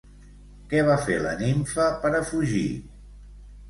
Què va fer la nimfa per a fugir?